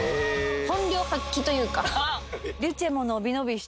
本領発揮というか。